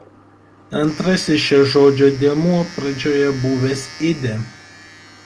Antrasis šio žodžio dėmuo pradžioje buvęs ide.